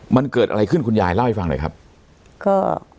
มันเกิดอะไรขึ้นคุณยายเล่าให้ฟังหน่อยครับก็